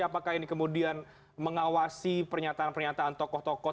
apakah ini kemudian mengawasi pernyataan pernyataan tokoh tokoh